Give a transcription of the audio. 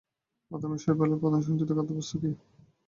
বাদামী শৈবালের প্রধান সঞ্চিত খাদ্যবস্তু কী?